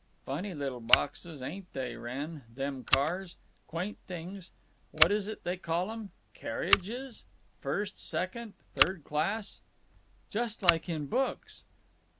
"Funny little boxes, ain't they, Wrenn, them cars! Quaint things. What is it they call 'em—carriages? First, second, third class…." "Just like in books."